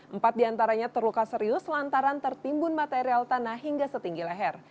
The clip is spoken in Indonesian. empat diantaranya terluka serius lantaran tertimbun material tanah hingga setinggi leher